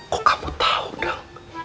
kok kamu tau dang